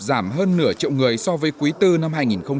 giảm hơn nửa triệu người so với quý iv năm hai nghìn một mươi tám